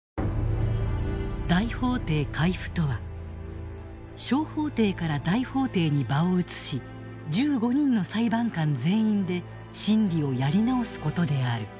大法廷回付とは小法廷から大法廷に場を移し１５人の裁判官全員で審理をやり直すことである。